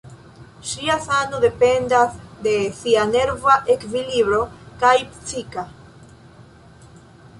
Ŝia sano dependas de sia nerva ekvilibro, kaj psika.